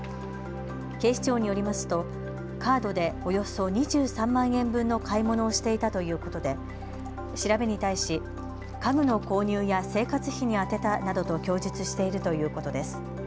警視庁によりますとカードでおよそ２３万円分の買い物をしていたということで調べに対し家具の購入や生活費に充てたなどと供述しているということです。